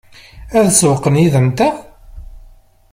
Ad sewwqen yid-nteɣ?